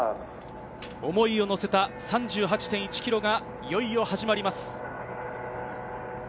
思いを乗せた３８．１ｋｍがいよいよ始まります。